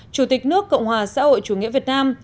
chủ tịch nước cộng hòa xã hội chủ nghĩa việt nam